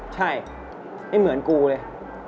ใช่ไม่เหมือนกูเลย